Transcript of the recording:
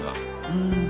うん。